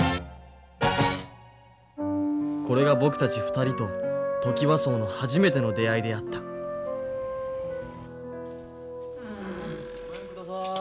これが僕たち２人とトキワ荘の初めての出会いであったごめんください。